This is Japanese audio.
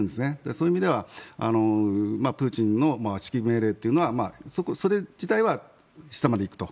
そういう意味ではプーチンの指揮命令というのはそれ自体は下まで行くと。